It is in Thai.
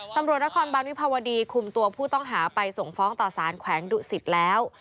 ตำรวจนครบานวิภาวดีคุมตัวผู้ต้องหาไปส่งฟ้องต่อสารแขวงดุสิตแล้ว